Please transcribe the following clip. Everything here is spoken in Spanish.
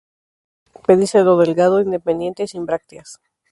Pedicelo delgado, independiente, sin brácteas.